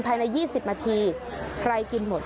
ภายใน๒๐นาทีใครกินหมด